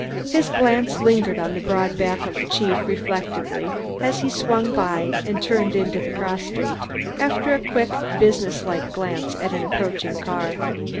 His glance lingered on the broad back of the chief reflectively as he swung by and turned into the cross street, after a quick, business like glance at an approaching car.